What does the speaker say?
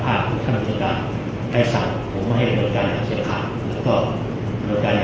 แล้วพูดถามกันแล้วออกจากเจ้าของนาย